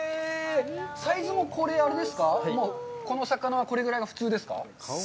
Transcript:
サイズもあれですか、このお魚はこれぐらいが普通ですか？